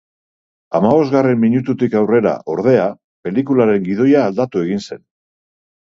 Hamabosgarren minututik aurrera, ordea, pelikularen gidoia aldatu egin zen.